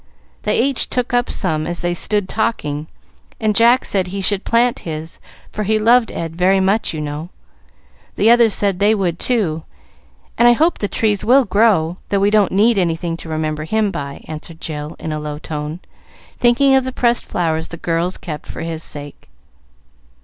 They each took up some as they stood talking, and Jack said he should plant his, for he loved Ed very much, you know. The others said they would, too; and I hope the trees will grow, though we don't need anything to remember him by," answered Jill, in a low tone, thinking of the pressed flowers the girls kept for his sake.